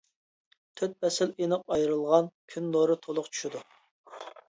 تۆت پەسىل ئېنىق ئايرىلغان، كۈن نۇرى تۇلۇق چۈشىدۇ.